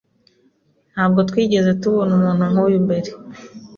Ntabwo twigeze tubona umuntu nkuyu mbere.